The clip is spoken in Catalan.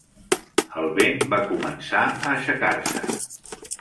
El vent va començar a aixecar-se.